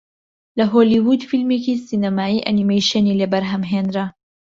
لە هۆڵیوود فیلمێکی سینەمایی ئەنیمەیشنی لێ بەرهەم هێنرا